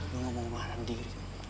gue gak mau nganah diri